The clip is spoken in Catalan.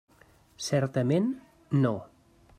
Certament, no.